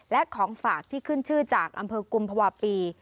และของฝากที่ขึ้นชื่อจากอำเภอกุมภาวะปี